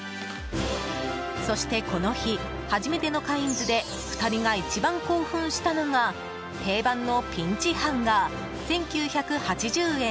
そして、この日初めてのカインズで２人が一番興奮したのが定番のピンチハンガー１９８０円。